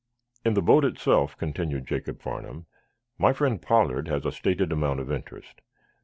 "In the boat itself," continued Jacob Farnum, "my friend Pollard has a stated amount of interest.